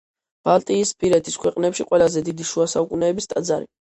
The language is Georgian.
ბალტიისპირეთის ქვეყნებში ყველაზე დიდი შუა საუკუნეების ტაძარი.